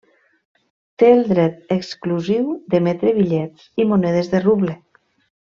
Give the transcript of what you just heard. Té el dret exclusiu d'emetre bitllets i monedes de ruble.